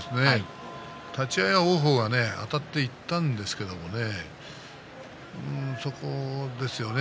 立ち合いは王鵬はあたっていったんですけれどもねそこですよね。